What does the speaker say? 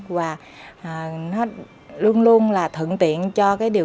và nó luôn luôn là thượng tiện cho cái điều